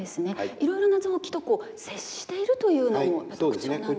いろいろな臓器とこう接しているというのも特徴なんですね。